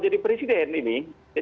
jadi presiden ini